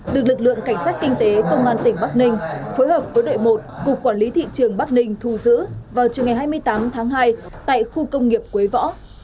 được lực lượng cảnh sát kinh tế công an tỉnh bắc ninh phối hợp với đội một cục quản lý thị trường bắc ninh thu giữ vào trường ngày hai mươi tám tháng hai tại khu công nghiệp quế võ